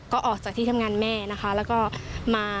ก็ออกจากที่ทำงานแม่นะคะ